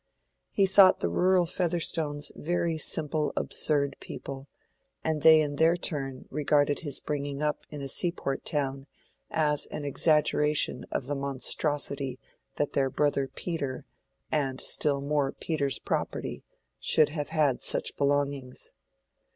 He thought the rural Featherstones very simple absurd people, and they in their turn regarded his "bringing up" in a seaport town as an exaggeration of the monstrosity that their brother Peter, and still more Peter's property, should have had such belongings.